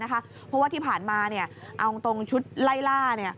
เพราะว่าที่ผ่านมาเอาตรงชุดไล่ล่า